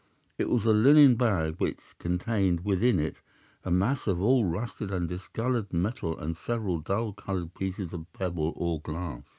It was a linen bag which contained within it a mass of old rusted and discoloured metal and several dull coloured pieces of pebble or glass.